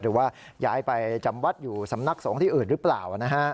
หรือว่าย้ายไปจำวัดอยู่สำนักสงฆ์ที่อื่นหรือเปล่า